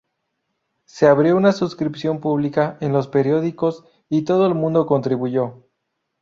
Se abrió una suscripción pública en los periódicos y todo el mundo contribuyó.